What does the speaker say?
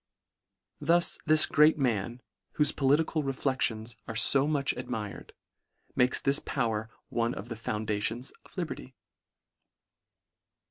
Thus this great man, whofe political re flections are fo much admired, makes this power one of the foundations of liberty.